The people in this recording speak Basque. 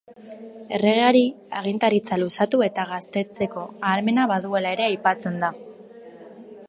Erregeari agintaritza luzatu eta gaztetzeko ahalmena baduela ere aipatzen da.